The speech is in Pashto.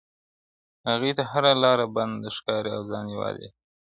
هغې ته هره لاره بنده ښکاري او ځان يوازي احساسوي,